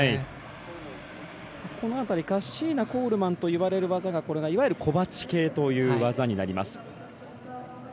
この辺り、カッシーナコールマンといわれる技がいわゆるコバチ系という技になります。